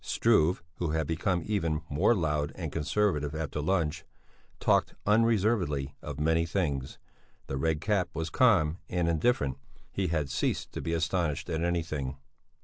Struve, who had become even more loud and conservative after lunch, talked unreservedly of many things. The Red Cap was calm and indifferent; he had ceased to be astonished at anything.